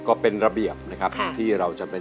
ก็เป็นระเบียบนะครับที่เราจะเป็น